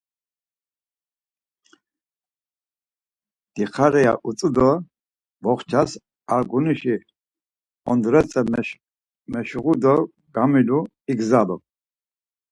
Diǩare ya utzu do boxças argunişi ondretze meşuğu do gamilu igzalu.